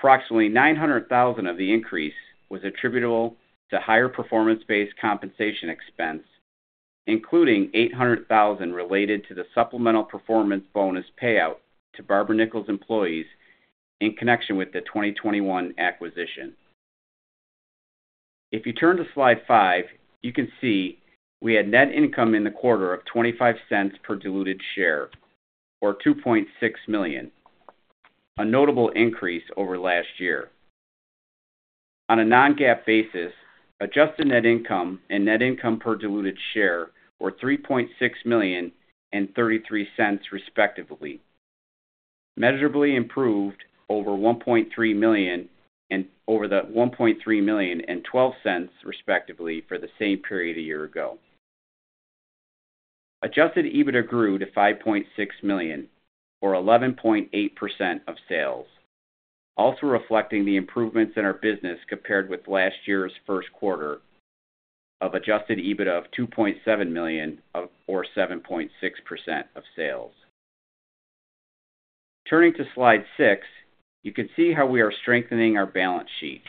Approximately $900,000 of the increase was attributable to higher performance-based compensation expense, including $800,000 related to the supplemental performance bonus payout to Barber-Nichols employees in connection with the 2021 acquisition. If you turn to slide 5, you can see we had net income in the quarter of $0.25 per diluted share, or $2.6 million, a notable increase over last year. On a non-GAAP basis, adjusted net income and net income per diluted share were $3.6 million and $0.33, respectively, measurably improved over $1.3 million and $0.12, respectively, for the same period a year ago. Adjusted EBITDA grew to $5.6 million, or 11.8% of sales, also reflecting the improvements in our business compared with last year's Q1 of Adjusted EBITDA of $2.7 million or 7.6% of sales. Turning to slide 6, you can see how we are strengthening our balance sheet.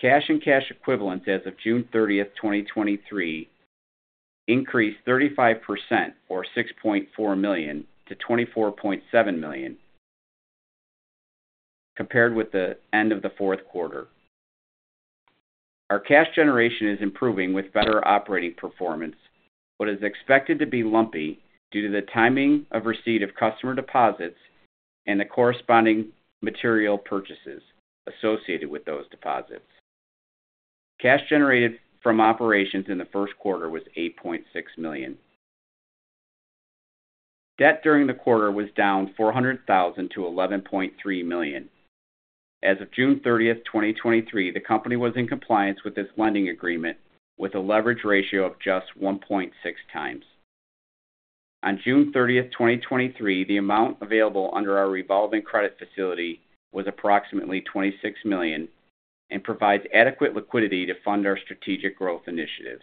Cash and cash equivalents as of June 30, 2023, increased 35% or $6.4 to $24.7 million, compared with the end of the Q4. Our cash generation is improving with better operating performance, but is expected to be lumpy due to the timing of receipt of customer deposits and the corresponding material purchases associated with those deposits. Cash generated from operations in the Q1 was $8.6 million. Debt during the quarter was down $400,000 to $11.3 million. As of June 30, 2023, the company was in compliance with its lending agreement, with a leverage ratio of just 1.6 times. On June 30, 2023, the amount available under our revolving credit facility was approximately $26 million and provides adequate liquidity to fund our strategic growth initiatives.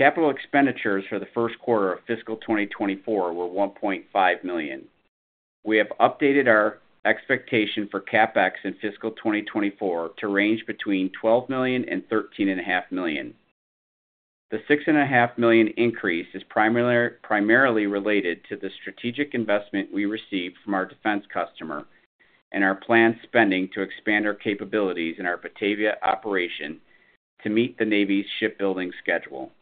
Capital expenditures for the Q1 of fiscal 2024 were $1.5 million. We have updated our expectation for CapEx in fiscal 2024 to range between $12 and $13.5 million. The $6.5 million increase is primarily related to the strategic investment we received from our defense customer and our planned spending to expand our capabilities in our Batavia operation to meet the Navy's shipbuilding schedule.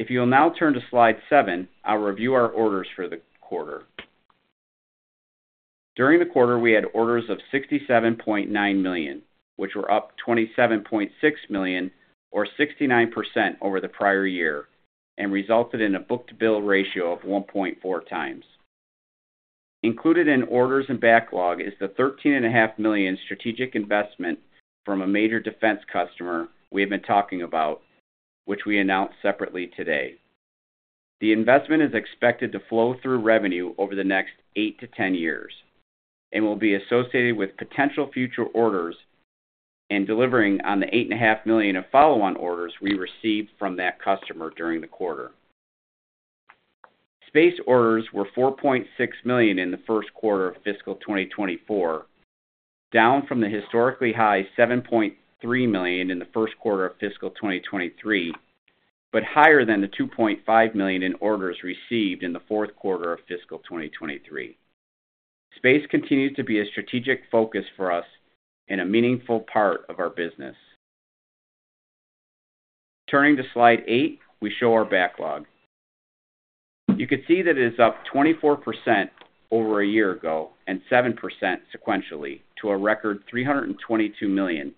If you'll now turn to slide 7, I'll review our orders for the quarter. During the quarter, we had orders of $67.9 million, which were up $27.6 million or 69% over the prior year and resulted in a book-to-bill ratio of 1.4 times. Included in orders and backlog is the $13.5 million strategic investment from a major defense customer we have been talking about, which we announced separately today. The investment is expected to flow through revenue over the next 8-10 years and will be associated with potential future orders and delivering on the $8.5 million of follow-on orders we received from that customer during the quarter. Space orders were $4.6 million in the Q1 of fiscal 2024, down from the historically high $7.3 million in the Q1 of fiscal 2023. Higher than the $2.5 million in orders received in the Q4 of fiscal 2023. Space continues to be a strategic focus for us and a meaningful part of our business. Turning to slide 8, we show our backlog. You can see that it is up 24% over a year ago and 7% sequentially, to a record $322 million.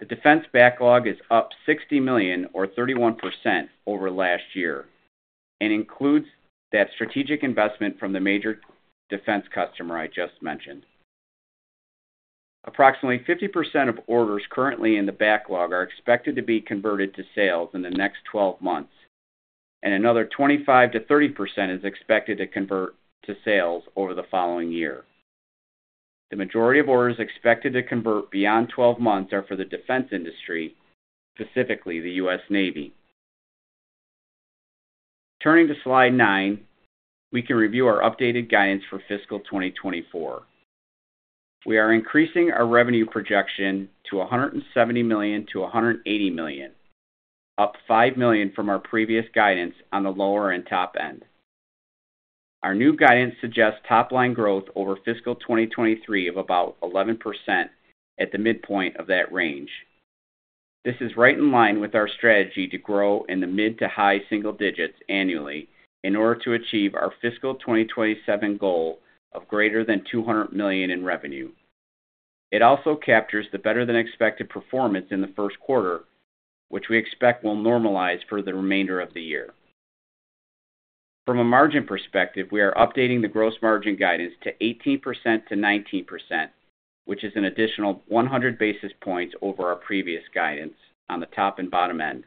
The defense backlog is up $60 million or 31% over last year and includes that strategic investment from the major defense customer I just mentioned. Approximately 50% of orders currently in the backlog are expected to be converted to sales in the next 12 months, and another 25%-30% is expected to convert to sales over the following year. The majority of orders expected to convert beyond 12 months are for the defense industry, specifically the U.S. Navy. Turning to slide 9, we can review our updated guidance for fiscal 2024. We are increasing our revenue projection to $170-$180 million, up $5 million from our previous guidance on the lower and top end. Our new guidance suggests top-line growth over fiscal 2023 of about 11% at the midpoint of that range. This is right in line with our strategy to grow in the mid to high single digits annually in order to achieve our fiscal 2027 goal of greater than $200 million in revenue. It also captures the better-than-expected performance in the Q1, which we expect will normalize for the remainder of the year. From a margin perspective, we are updating the gross margin guidance to 18%-19%, which is an additional 100 basis points over our previous guidance on the top and bottom end.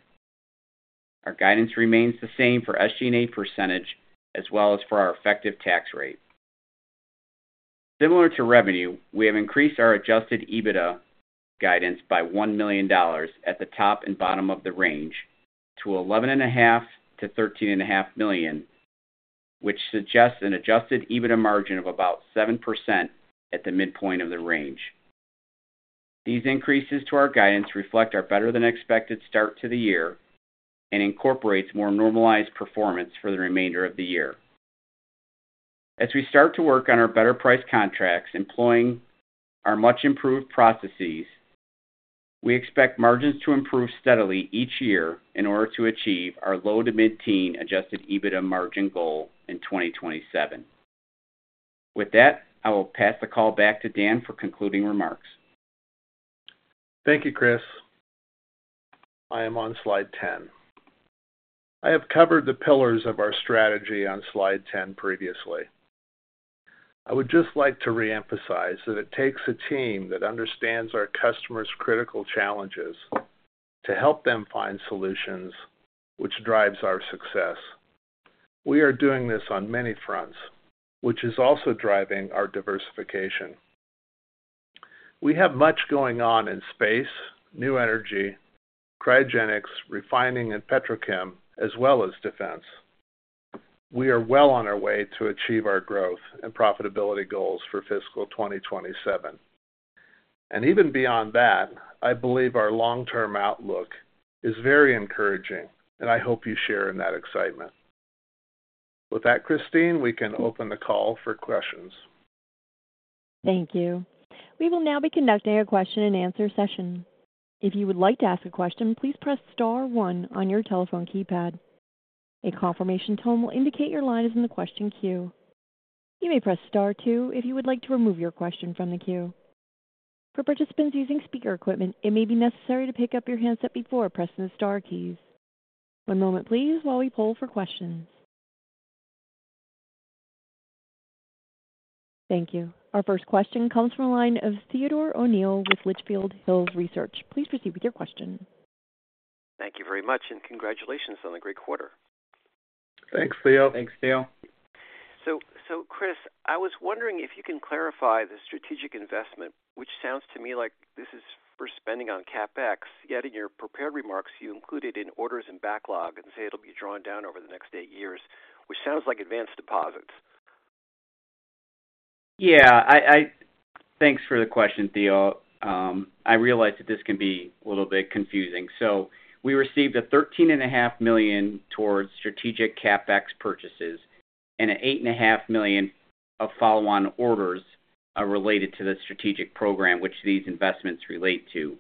Our guidance remains the same for SG&A % as well as for our effective tax rate. Similar to revenue, we have increased our adjusted EBITDA guidance by $1 million at the top and bottom of the range to $11.5-$13.5 million, which suggests an adjusted EBITDA margin of about 7% at the midpoint of the range. These increases to our guidance reflect our better-than-expected start to the year and incorporates more normalized performance for the remainder of the year. As we start to work on our better price contracts employing our much improved processes, we expect margins to improve steadily each year in order to achieve our low to mid-teen adjusted EBITDA margin goal in 2027. With that, I will pass the call back to Dan for concluding remarks. Thank you, Chris. I am on slide 10. I have covered the pillars of our strategy on slide 10 previously. I would just like to reemphasize that it takes a team that understands our customer's critical challenges to help them find solutions, which drives our success. We are doing this on many fronts, which is also driving our diversification. We have much going on in space, new energy, cryogenics, refining and petrochem, as well as defense. We are well on our way to achieve our growth and profitability goals for fiscal 2027. Even beyond that, I believe our long-term outlook is very encouraging, and I hope you share in that excitement. With that, Christine, we can open the call for questions. Thank you. We will now be conducting a question and answer session. If you would like to ask a question, please press star one on your telephone keypad. A confirmation tone will indicate your line is in the question queue. You may press star two if you would like to remove your question from the queue. For participants using speaker equipment, it may be necessary to pick up your handset before pressing the star keys. One moment please while we poll for questions. Thank you. Our first question comes from the line of Theodore O'Neill with Litchfield Hills Research. Please proceed with your question. Thank you very much, and congratulations on the great quarter. Thanks, Theo. Thanks, Theo. Chris, I was wondering if you can clarify the strategic investment, which sounds to me like this is for spending on CapEx, yet in your prepared remarks, you included in orders and backlog and say it'll be drawn down over the next 8 years, which sounds like advanced deposits? Yeah, I, I... Thanks for the question, Theo. I realize that this can be a little bit confusing. We received a $13.5 million towards strategic CapEx purchases and an $8.5 million of follow-on orders related to the strategic program, which these investments relate to.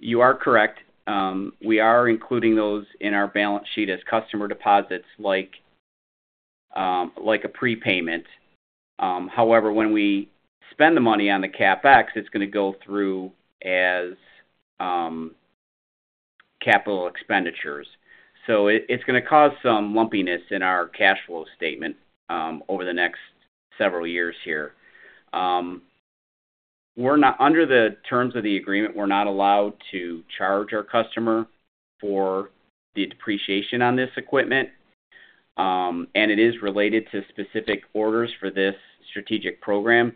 You are correct. We are including those in our balance sheet as customer deposits, like, like a prepayment. However, when we spend the money on the CapEx, it's going to go through as capital expenditures. It, it's going to cause some lumpiness in our cash flow statement over the next several years here. Under the terms of the agreement, we're not allowed to charge our customer for the depreciation on this equipment, and it is related to specific orders for this strategic program.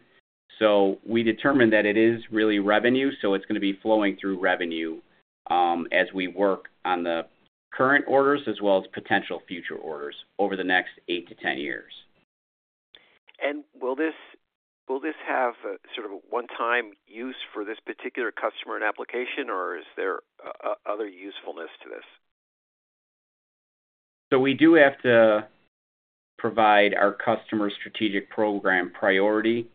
We determined that it is really revenue, so it's going to be flowing through revenue, as we work on the current orders as well as potential future orders over the next 8-10 years. Will this, will this have a sort of a one-time use for this particular customer and application, or is there other usefulness to this? We do have to provide our customer strategic program priority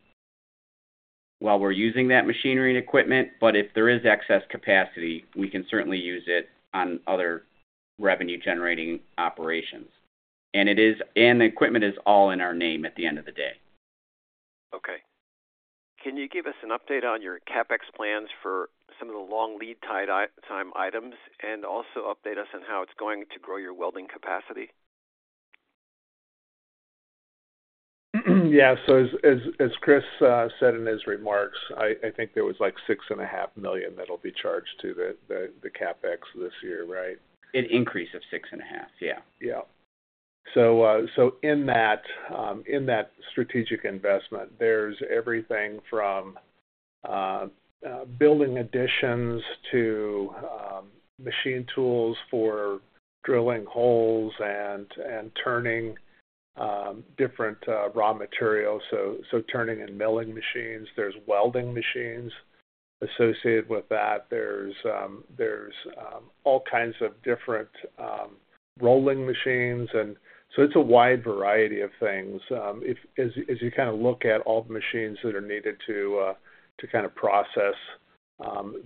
while we're using that machinery and equipment, but if there is excess capacity, we can certainly use it on other revenue-generating operations. The equipment is all in our name at the end of the day. Okay. Can you give us an update on your CapEx plans for some of the long lead time items, and also update us on how it's going to grow your welding capacity? Yeah. As, as, as Chris said in his remarks, I, I think there was, like, $6.5 million that'll be charged to the, the, the CapEx this year, right? An increase of 6.5. Yeah. Yeah. In that, in that strategic investment, there's everything from, building additions to, machine tools for drilling holes and, and turning, different, raw materials, so, so turning and milling machines. There's welding machines associated with that. There's, there's, all kinds of different, rolling machines, and so it's a wide variety of things. As you, as you kind of look at all the machines that are needed to, to kind of process,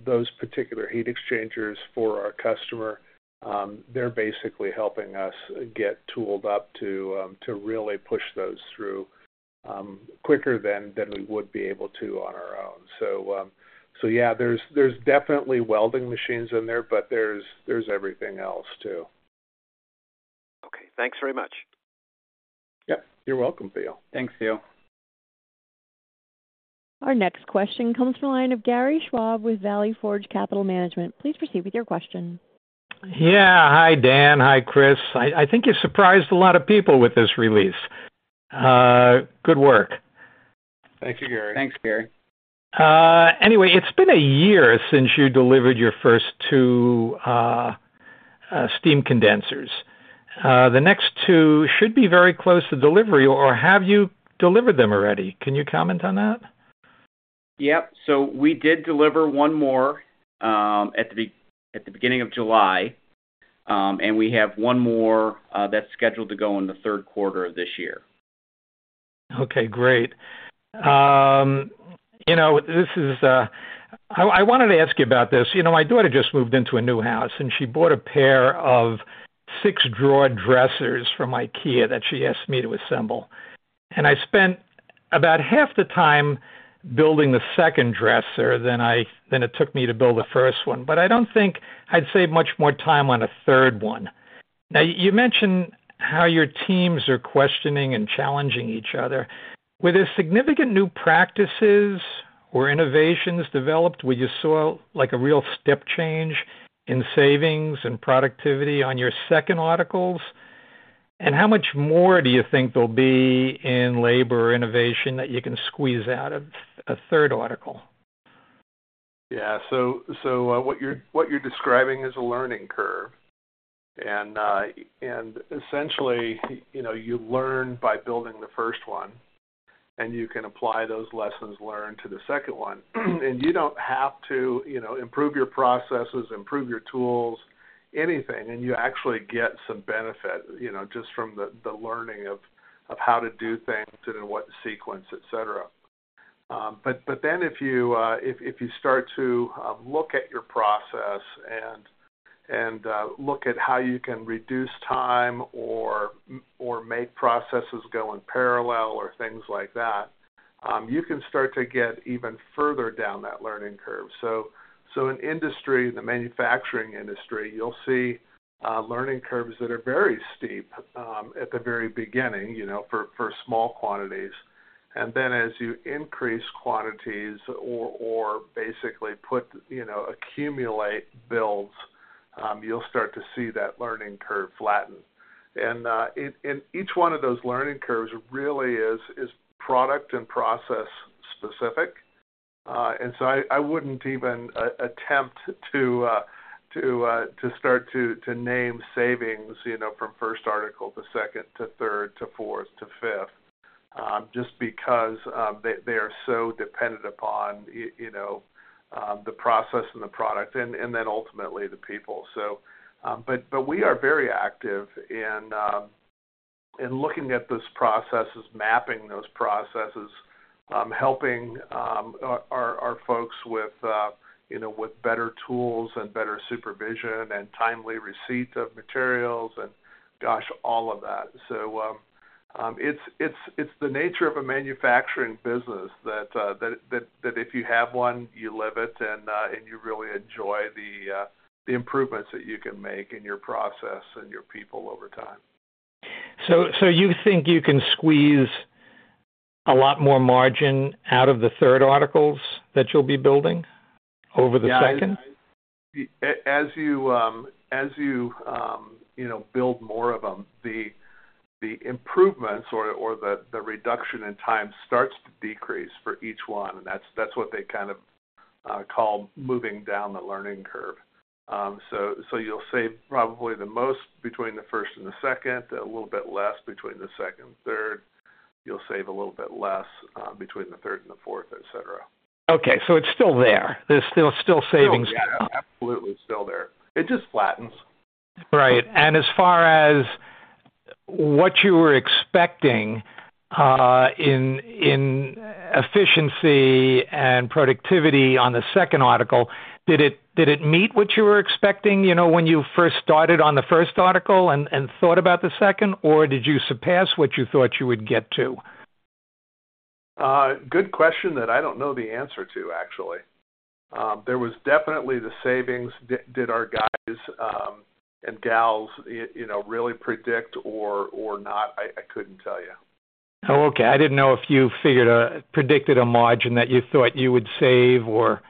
those particular heat exchangers for our customer, they're basically helping us get tooled up to, to really push those through, quicker than, than we would be able to on our own. Yeah, there's, there's definitely welding machines in there, but there's, there's everything else too. Okay. Thanks very much. Yep. You're welcome, Theo. Thanks, Theo. Our next question comes from the line of Gary Schwab with Valley Forge Capital Management. Please proceed with your question. Yeah. Hi, Dan. Hi, Chris. I think you surprised a lot of people with this release. Good work. Thank you, Gary. Thanks, Gary. Anyway, it's been a year since you delivered your first 2 steam condensers. The next 2 should be very close to delivery, or have you delivered them already? Can you comment on that? Yep. We did deliver 1 more at the beginning of July, and we have 1 more that's scheduled to go in the Q3 of this year. Okay, great. You know, this is... I, I wanted to ask you about this. You know, my daughter just moved into a new house, and she bought a pair of 6 drawer dressers from IKEA that she asked me to assemble. I spent about half the time building the second dresser than it took me to build the first one, but I don't think I'd save much more time on a third one. Now, you mentioned how your teams are questioning and challenging each other. Were there significant new practices or innovations developed, where you saw, like, a real step change in savings and productivity on your second articles? How much more do you think there'll be in labor innovation that you can squeeze out of a third article? What you're, what you're describing is a learning curve. Essentially, you know, you learn by building the first one, and you can apply those lessons learned to the second one. You don't have to, you know, improve your processes, improve your tools, anything, and you actually get some benefit, you know, just from the, the learning of, of how to do things and in what sequence, et cetera. If you start to look at your process and look at how you can reduce time or make processes go in parallel or things like that, you can start to get even further down that learning curve. In industry, the manufacturing industry, you'll see learning curves that are very steep at the very beginning, you know, for small quantities. As you increase quantities or, or basically put, you know, accumulate builds, you'll start to see that learning curve flatten. Each one of those learning curves really is, is product and process specific. I, I wouldn't even attempt to, to start to, to name savings, you know, from first article to second, to third, to fourth, to fifth, just because they, they are so dependent upon you know, the process and the product, and, and then ultimately the people. But, but we are very active in looking at those processes, mapping those processes, helping our, our, our folks with, you know, with better tools and better supervision and timely receipt of materials and, gosh, all of that. It's, it's, it's the nature of a manufacturing business that, that, that, that if you have one, you live it and you really enjoy the improvements that you can make in your process and your people over time. you think you can squeeze a lot more margin out of the 3rd articles that you'll be building over the 2nd? Yeah, as you, as you, you know, build more of them, the, the improvements or, or the, the reduction in time starts to decrease for each one, and that's, that's what they kind of, call moving down the learning curve. So you'll save probably the most between the first and the second, a little bit less between the second and third. You'll save a little bit less, between the third and the fourth, et cetera. Okay, it's still there. There's still, still savings. Oh, yeah, absolutely still there. It just flattens. Right. As far as what you were expecting, in, in efficiency and productivity on the second article, did it, did it meet what you were expecting, you know, when you first started on the first article and, and thought about the second, or did you surpass what you thought you would get to? Good question that I don't know the answer to, actually. There was definitely the savings did, did our guys and gals, you know, really predict or not? I couldn't tell you. Oh, okay. I didn't know if you figured predicted a margin that you thought you would save or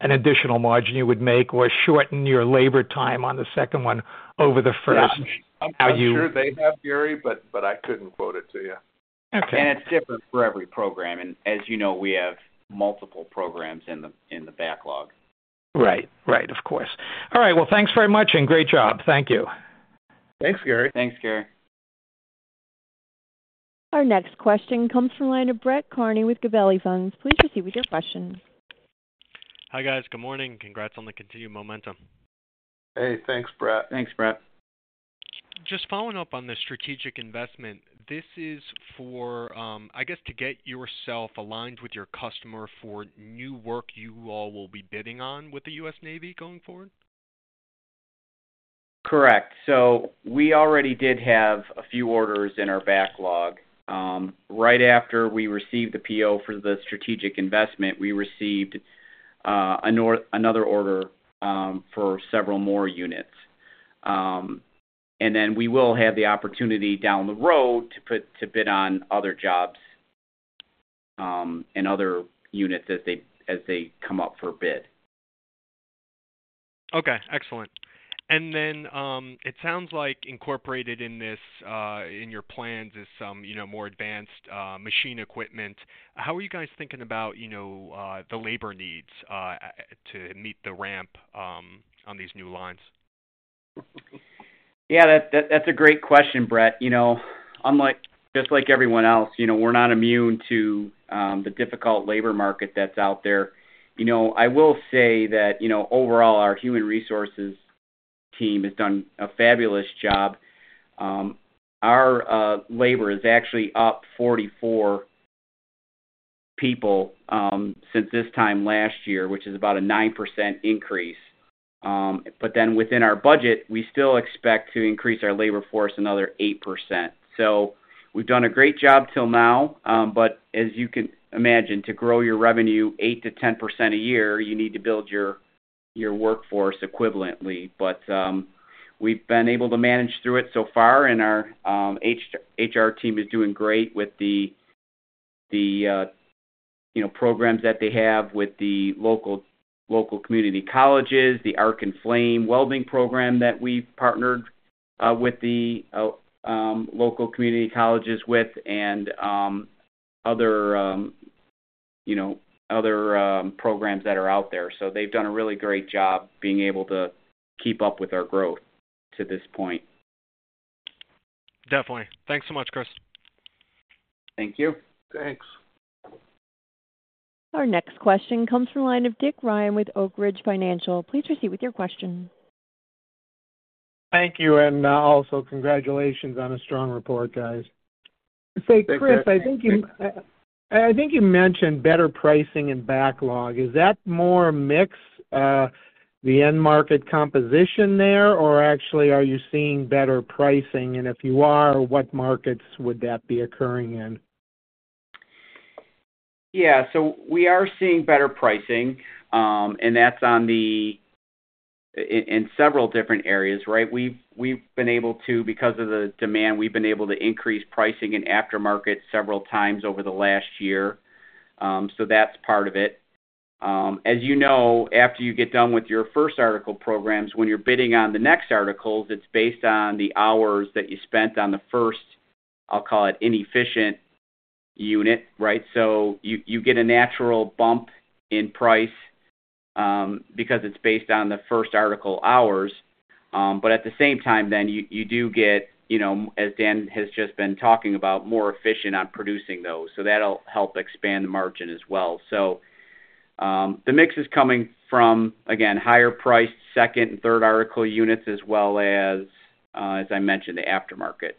an additional margin you would make or shorten your labor time on the second one over the first. Yeah. How you- I'm sure they have, Gary, but I couldn't quote it to you. Okay. It's different for every program. As you know, we have multiple programs in the, in the backlog. Right. Right, of course. All right, well, thanks very much and great job. Thank you. Thanks, Gary. Thanks, Gary. Our next question comes from the line of Brett Kearney with Gabelli Funds. Please proceed with your question. Hi, guys. Good morning. Congrats on the continued momentum. Hey, thanks, Brett. Thanks, Brett. Just following up on the strategic investment, this is for, I guess, to get yourself aligned with your customer for new work you all will be bidding on with the U.S. Navy going forward? Correct. We already did have a few orders in our backlog. Right after we received the PO for the strategic investment, we received another order for several more units. Then we will have the opportunity down the road to bid on other jobs, and other units as they, as they come up for bid. Okay, excellent. Then, it sounds like incorporated in this, in your plans is some, you know, more advanced, machine equipment. How are you guys thinking about, you know, the labor needs to meet the ramp on these new lines? Yeah, that, that's a great question, Brett. You know, unlike just like everyone else, you know, we're not immune to the difficult labor market that's out there. You know, I will say that, you know, overall, our human resources team has done a fabulous job. Our labor is actually up 44 people since this time last year, which is about a 9% increase. Then within our budget, we still expect to increase our labor force another 8%. We've done a great job till now, but as you can imagine, to grow your revenue 8%-10% a year, you need to build your, your workforce equivalently. We've been able to manage through it so far, and our H- HR team is doing great with the, the, you know, programs that they have with the local, local community colleges, the Arc and Flame Welding Program that we've partnered with the local community colleges with, and other, you know, other programs that are out there. They've done a really great job being able to keep up with our growth to this point. Definitely. Thanks so much, Chris. Thank you. Thanks. Our next question comes from the line of Rick Ryan with Oak Ridge Financial. Please proceed with your question. Thank you, and also congratulations on a strong report, guys. Thank you. Say, Chris, I think you, I think you mentioned better pricing and backlog. Is that more mix, the end market composition there, or actually, are you seeing better pricing? If you are, what markets would that be occurring in? Yeah. We are seeing better pricing, and that's on the in several different areas, right? We've, we've been able to, because of the demand, we've been able to increase pricing in aftermarket several times over the last year. That's part of it. As you know, after you get done with your first article programs, when you're bidding on the next articles, it's based on the hours that you spent on the first, I'll call it, inefficient unit, right? You, you get a natural bump in price, because it's based on the first article hours. At the same time, then you, you do get, you know, as Dan has just been talking about, more efficient on producing those, so that'll help expand the margin as well. The mix is coming from, again, higher priced second and third article units, as well as, as I mentioned, the aftermarket.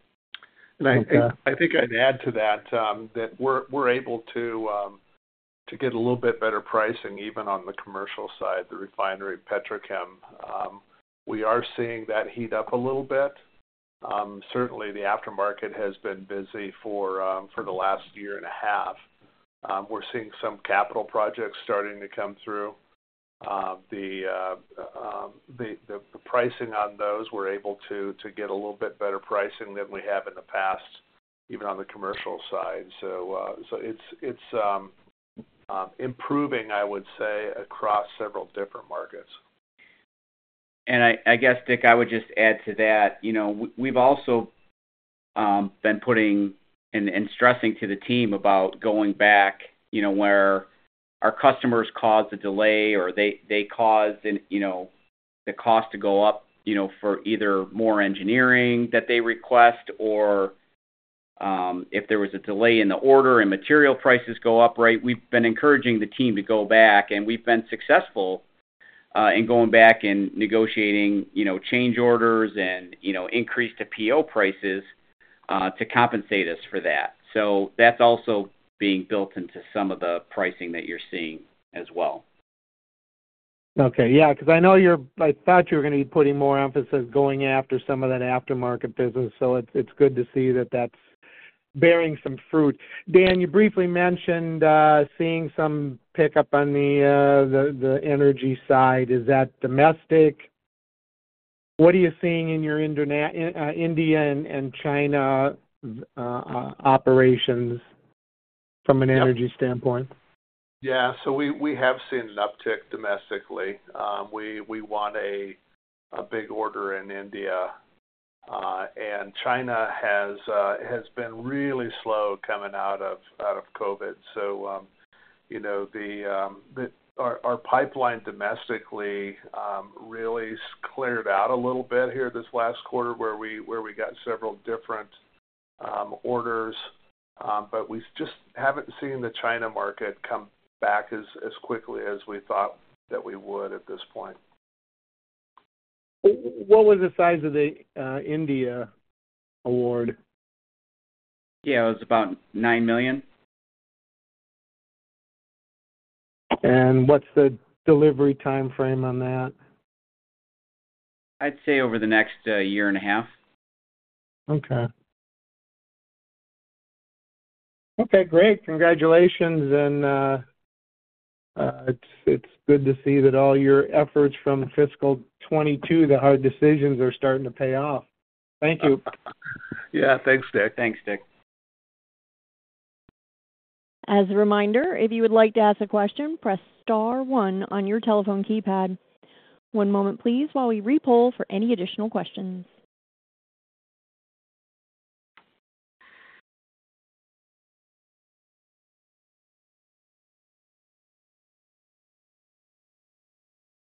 I think, I think I'd add to that, that we're, we're able to, to get a little bit better pricing, even on the commercial side, the refinery petrochem. We are seeing that heat up a little bit. Certainly, the aftermarket has been busy for, for the last year and a half. We're seeing some capital projects starting to come through. The pricing on those, we're able to, to get a little bit better pricing than we have in the past, even on the commercial side. It's improving, I would say, across several different markets. I, I guess, Rick, I would just add to that, you know, we've also, been putting and, and stressing to the team about going back, you know, where our customers caused a delay or they, they caused an, you know, the cost to go up, you know, for either more engineering that they request or, if there was a delay in the order and material prices go up, right? We've been encouraging the team to go back, and we've been successful, in going back and negotiating, you know, change orders and, you know, increase to PO prices, to compensate us for that. That's also being built into some of the pricing that you're seeing as well. Okay. Yeah, 'cause I know you're-- I thought you were gonna be putting more emphasis going after some of that aftermarket business, so it's, it's good to see that that's bearing some fruit. Dan, you briefly mentioned, seeing some pickup on the, the, the energy side. Is that domestic? What are you seeing in your interna-- India and, and China, operations from an energy standpoint? Yeah. So we, we have seen an uptick domestically. We, we won a, a big order in India, and China has been really slow coming out of, out of COVID. You know, the... Our, our pipeline domestically really cleared out a little bit here this last quarter, where we, where we got several different orders. We just haven't seen the China market come back as, as quickly as we thought that we would at this point. What was the size of the India award? Yeah, it was about $9 million. What's the delivery timeframe on that? I'd say over the next year and a half. Okay. Okay, great! Congratulations, and it's good to see that all your efforts from fiscal 2022, the hard decisions are starting to pay off. Thank you. Yeah. Thanks, Rick. Thanks, Rick. As a reminder, if you would like to ask a question, press star one on your telephone keypad. One moment please, while we re-poll for any additional questions.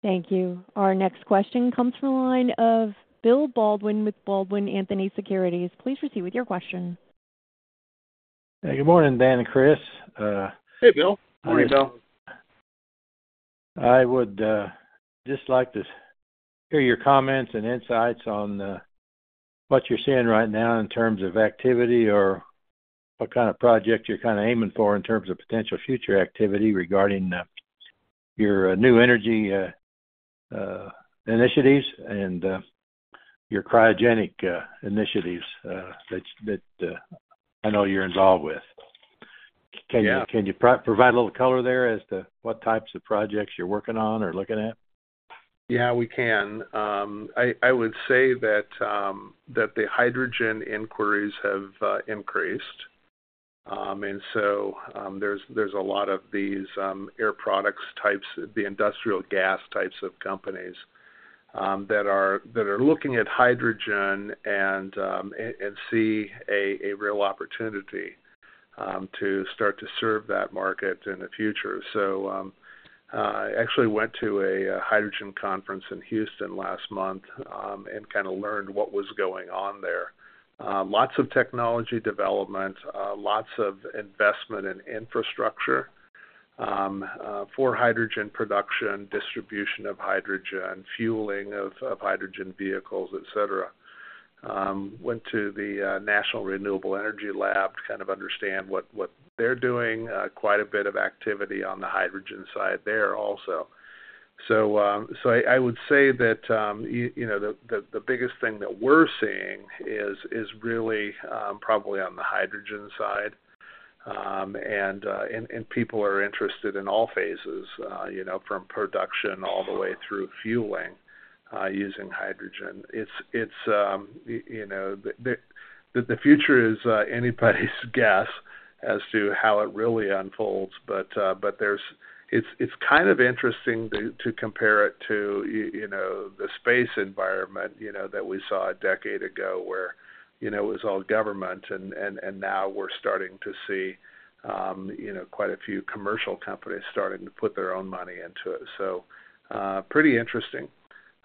Thank you. Our next question comes from the line of Bill Baldwin with Baldwin Anthony Securities. Please proceed with your question. Hey, good morning, Dan and Chris. Hey, Bill. Morning, Bill. I would just like to hear your comments and insights on what you're seeing right now in terms of activity, or what kind of project you're kind of aiming for in terms of potential future activity regarding your new energy initiatives and your cryogenic initiatives that, that, I know you're involved with. Yeah. Can you, can you provide a little color there as to what types of projects you're working on or looking at? Yeah, we can. I, I would say that, that the hydrogen inquiries have increased. There's, there's a lot of these, Air Products types, the industrial gas types of companies, that are, that are looking at hydrogen and, and, and see a, a real opportunity, to start to serve that market in the future. I actually went to a, hydrogen conference in Houston last month, and kind of learned what was going on there. Lots of technology development, lots of investment in infrastructure, for hydrogen production, distribution of hydrogen, fueling of, of hydrogen vehicles, et cetera. Went to the, National Renewable Energy Laboratory to kind of understand what, what they're doing. Quite a bit of activity on the hydrogen side there also. I, I would say that, you know, the biggest thing that we're seeing is, is really, probably on the hydrogen side. People are interested in all phases, you know, from production all the way through fueling, using hydrogen. It's, it's, you know... The future is anybody's guess as to how it really unfolds, but it's, it's kind of interesting to, to compare it to you know, the space environment, you know, that we saw a decade ago, where, you know, it was all government, and, and, and now we're starting to see, you know, quite a few commercial companies starting to put their own money into it. Pretty interesting.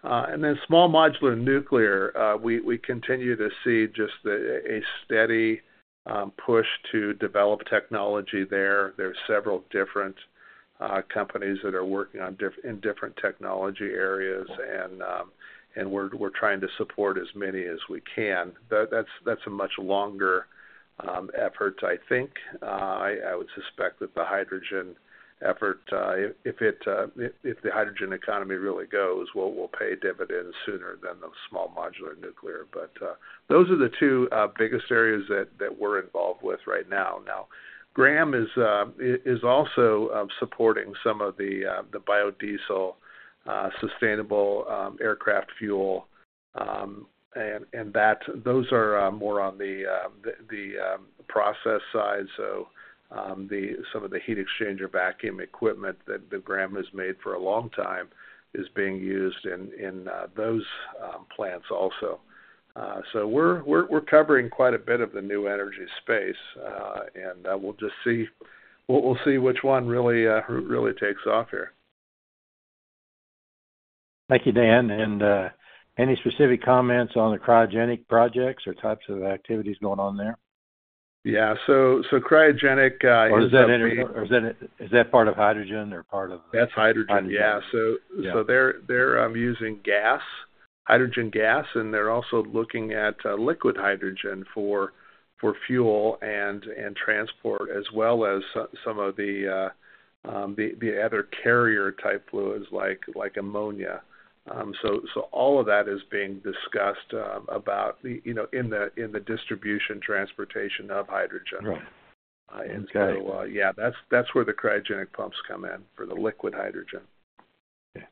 Small modular nuclear, we continue to see just the, a steady push to develop technology there. There are several different companies that are working in different technology areas, and we're, we're trying to support as many as we can. That's, that's a much longer effort, I think. I, I would suspect that the hydrogen effort, if it, if, if the hydrogen economy really goes, will, will pay dividends sooner than the small modular nuclear. Those are the two biggest areas that, that we're involved with right now. Now, Graham is, is also supporting some of the biodiesel, sustainable aircraft fuel. Those are more on the, the, the process side. The, some of the heat exchanger vacuum equipment that, that Graham has made for a long time is being used in, in those plants also. We're, we're, we're covering quite a bit of the new energy space. We'll, we'll see which one really takes off here. Thank you, Dan. Any specific comments on the cryogenic projects or types of activities going on there? Yeah. So cryogenic. Is that any, or is that part of hydrogen or part of? That's hydrogen. Hydrogen. Yeah. Yeah. They're using gas, hydrogen gas, and they're also looking at liquid hydrogen for, for fuel and, and transport, as well as some, some of the other carrier-type fluids like, like ammonia. All of that is being discussed, about the, you know, in the, in the distribution, transportation of hydrogen. Right. Okay. Yeah, that's, that's where the cryogenic pumps come in, for the liquid hydrogen. Okay.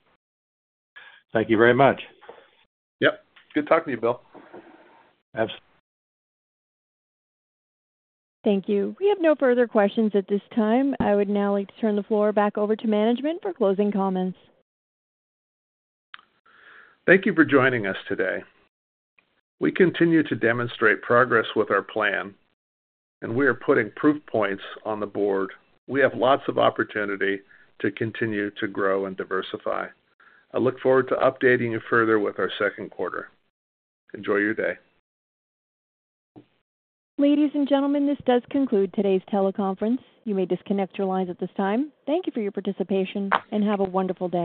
Thank you very much. Yep. Good talking to you, Bill. Absolutely. Thank you. We have no further questions at this time. I would now like to turn the floor back over to management for closing comments. Thank you for joining us today. We continue to demonstrate progress with our plan, and we are putting proof points on the board. We have lots of opportunity to continue to grow and diversify. I look forward to updating you further with our Q2. Enjoy your day. Ladies and gentlemen, this does conclude today's teleconference. You may disconnect your lines at this time. Thank you for your participation, and have a wonderful day.